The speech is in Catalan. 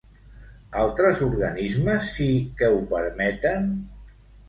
Altres organismes sí que ho permeten?